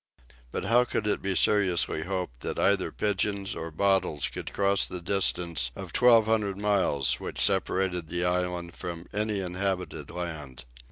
But how could it be seriously hoped that either pigeons or bottles could cross the distance of twelve hundred miles which separated the island from any inhabited land?